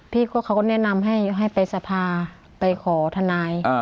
เขาก็แนะนำให้ไปสภาไปขอทนาย